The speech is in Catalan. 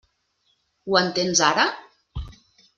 Ho entens ara?